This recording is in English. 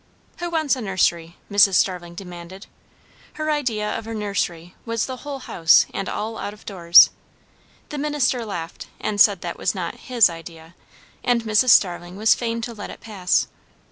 Who wants a nursery? Mrs. Starling demanded. Her idea of a nursery was the whole house and all out of doors. The minister laughed and said that was not his idea; and Mrs. Starling was fain to let it pass.